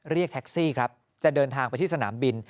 เรียกแท็กซี่ครับจะเดินทางไปที่สนามบิน